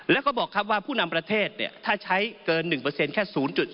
แล้วก็บอกครับว่าผู้นำประเทศถ้าใช้เกิน๑แค่๐๗